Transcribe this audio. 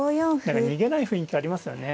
何か逃げない雰囲気ありますよね。